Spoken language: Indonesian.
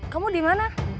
kamu di mana